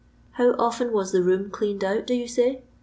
How often waa the Toom cleaned cot, do you tay